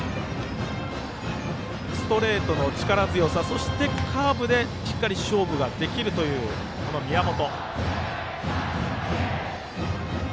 ストレートの力強さそしてカーブでしっかり勝負ができるという宮本。